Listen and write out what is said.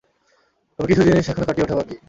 তবে কিছু জিনিস এখনো কাটিয়ে ওঠা বাকি।